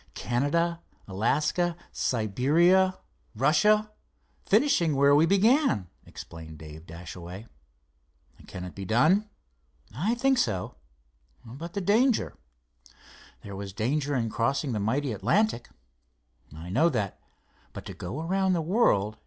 "Canada, Alaska, Siberia, Russia—finishing where we began," explained Dave Dashaway. "Can it be done?" "I think so." "But the danger——" "There was danger in crossing the mighty Atlantic." "I know that. But to go around the world.